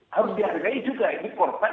harus dihargai juga ini korban